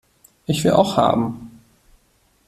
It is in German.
Ich will auch haben!